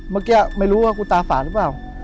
เมื่อกี้ไม่รู้ว่ากูตาฝ่ารึป่าว